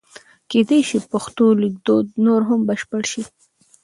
کېدای شي پښتو لیکدود نور هم بشپړ شي.